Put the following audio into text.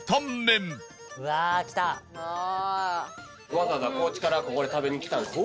わざわざ高知からここに食べに来たんですよ。